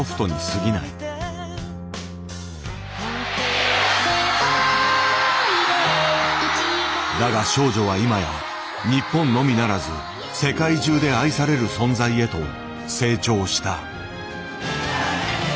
「世界で」だが少女は今や日本のみならず世界中で愛される存在へと成長した。